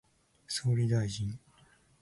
総理大臣